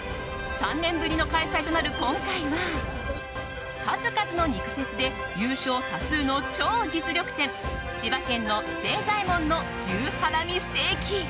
３年ぶりの開催となる今回は数々の肉フェスで優勝多数の超実力店、千葉県の清左ヱ門の牛ハラミステーキ。